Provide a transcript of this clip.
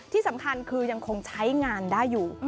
ที่สำคัญคือยังคงใช้งานได้อยู่